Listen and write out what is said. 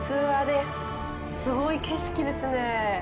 すごい景色ですね。